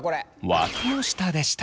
わきの下でした。